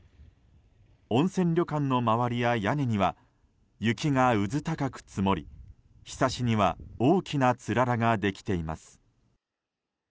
温泉旅館の周りや屋根には雪がうず高く積もりひさしには大きなつららができています。